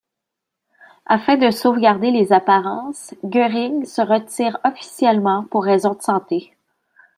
Afin de sauvegarder les apparences, Göring se retire officiellement pour raisons de santé.